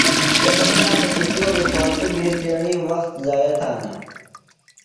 بےۡ بھرناقہ چُٹِیومی فالتُوۡ گِریۡ تیݨی وخت ضائع تھانہ۔